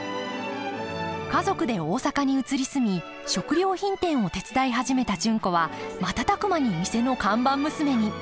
家族で大阪に移り住み食料品店を手伝い始めた純子は瞬く間に店の看板娘に。